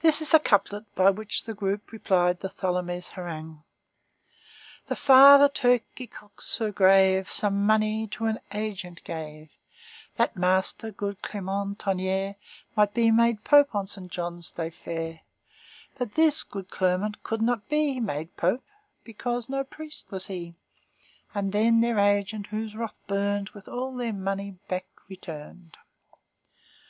This is the couplet by which the group replied to Tholomyès' harangue:— "The father turkey cocks so grave Some money to an agent gave, That master good Clermont Tonnerre Might be made pope on Saint Johns' day fair. But this good Clermont could not be Made pope, because no priest was he; And then their agent, whose wrath burned, With all their money back returned."